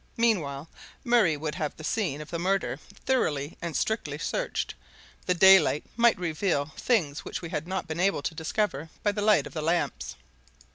Meanwhile, Murray would have the scene of the murder thoroughly and strictly searched the daylight might reveal things which we had not been able to discover by the light of the lamps.